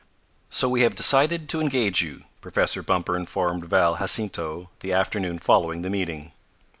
"So we have decided to engage you," Professor Bumper informed Val Jacinto the afternoon following the meeting.